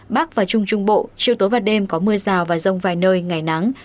bắc và trung trung bộ chiều tối và đêm có mưa rào và rông vài nơi ngày nắng